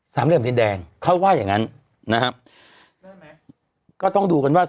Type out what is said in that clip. สามเรื่องแบบนี้แดงเขาว่าอย่างงั้นนะฮะก็ต้องดูกันว่า